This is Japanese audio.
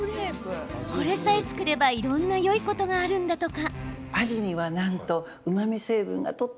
これさえ作れば、いろんなよいことがあるんだとか。